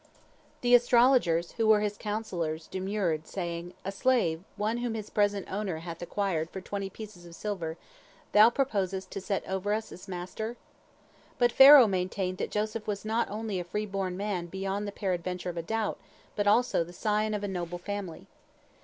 " The astrologers, who were his counsellors, demurred, saying, "A slave, one whom his present owner hath acquired for twenty pieces of silver, thou proposest to set over us as master?" But Pharaoh maintained that Joseph was not only a free born man beyond the peradventure of a doubt, but also the scion of a noble family.